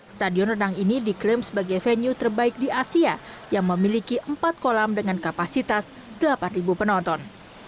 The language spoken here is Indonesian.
stadion renang ini diklaim sebagai venue terbaik di asia yang memiliki empat kolam dengan kapasitas delapan penonton